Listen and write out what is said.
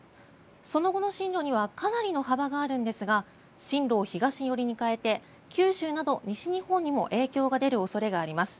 その後の進路にはかなりの幅があるんですが進路を東寄りに変えて九州など西日本にも影響が出る恐れがあります。